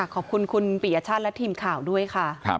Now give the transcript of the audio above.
ขอบคุณคุณปียชาติและทีมข่าวด้วยค่ะ